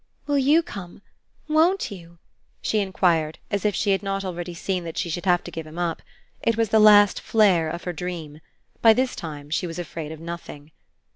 "Will YOU come? Won't you?" she enquired as if she had not already seen that she should have to give him up. It was the last flare of her dream. By this time she was afraid of nothing.